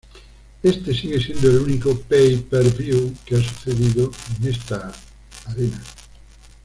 Este sigue siendo el único Pay Per View que ha sucedido en esta arena.